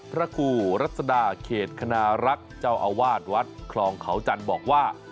พระครูรัศดาเขตคณรักษ์เจ้าอาวาสวัดคลองเขาจันทร์บอกว่า